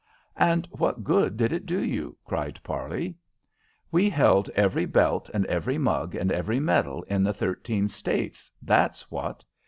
"And what good did it do you?" cried Parley. "We held every belt and every mug and every medal in the thirteen States, that's what.